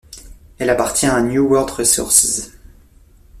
Elle appartient à New World Resources.